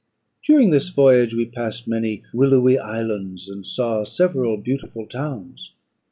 During this voyage, we passed many willowy islands, and saw several beautiful towns.